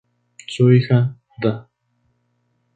Su hija Da.